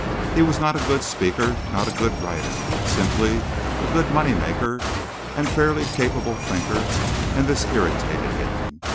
He was not a good speaker, not a good writer, simply a good money maker and fairly capable thinker, and this irritated him.